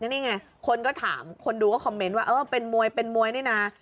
นี่ไงคนก็ถามคนดูก็คอมเมนต์ว่าเออเป็นมวยเป็นมวยนี่นะ